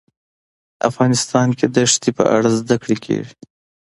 افغانستان کې د ښتې په اړه زده کړه کېږي.